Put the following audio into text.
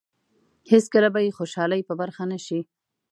هېڅکله به یې خوشالۍ په برخه نه شي.